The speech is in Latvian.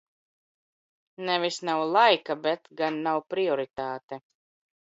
Nevis "nav laika", bet gan "nav priorit?te".